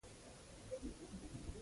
د فردوسي ډېر قدر یې وکړ.